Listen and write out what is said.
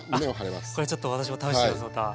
これちょっと私も試してみますまた。